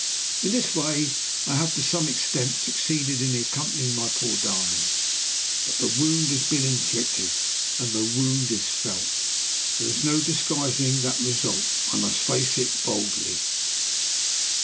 In this way I have, to some extent, succeeded in composing my poor darling. But the wound has been inflicted, and the wound is felt. There is no disguising that result. I must face it boldly.